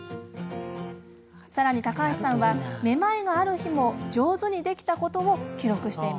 更に高橋さんはめまいがある日も上手にできたことを記録しています。